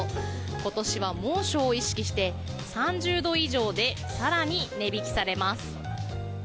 今年は猛暑を意識して３０度以上で更に値引きされます。